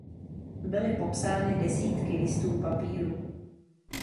Byly popsány desítky listů papíru.